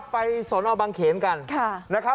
ไปสอนออกบางเขนกัน